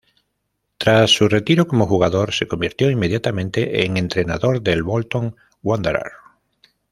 Tras su retiro como jugador, se convirtió inmediatamente en entrenador del Bolton Wanderers.